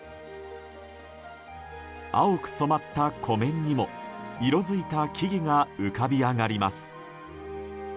青く染まった湖面にも色づいた木々が浮かび上がります。